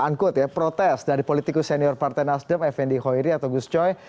unquote ya protes dari politikus senior partai nasdem fnd hoiri atau gus coy